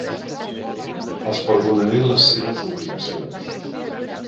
Els perdonaré les seves obligacions.